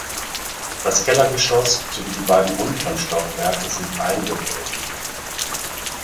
Das Kellergeschoss sowie die beiden unteren Stockwerke sind eingewölbt.